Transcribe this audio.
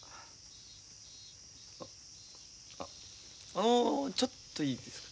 あのちょっといいですか。